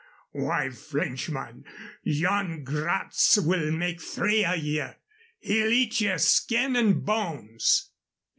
Why, Frenchman, Yan Gratz will make three of ye. He'll eat ye skin an' bones."